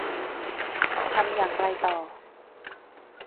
ทำอย่างไรต่อ